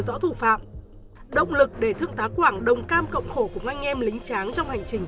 rõ thủ phạm động lực để thương tá quảng đồng cam cộng khổ của anh em lính tráng trong hành trình